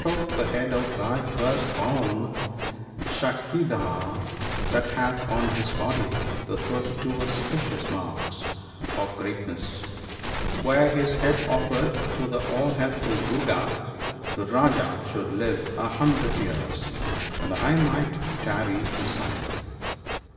off the head of thy first born Shaktidhar, that hath on his body the thirty two auspicious marks (* 4 ) of greatness. Were his head offered to the all helpful Durga, the Rajah should live a hundred years, and I might tarry beside him.'